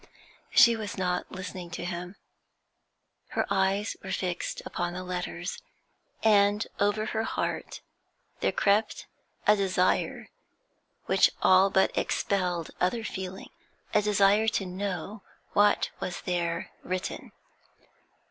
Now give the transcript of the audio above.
She was not listening to him. Her eyes were fixed upon the letters, and over her heart there crept a desire which all but expelled other feeling, a desire to know what was there written.